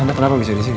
anda kenapa bisa disini